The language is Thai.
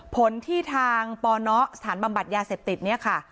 ผลที่ทางปนสถานบำบัดยาเสพติดเนี่ยค่ะ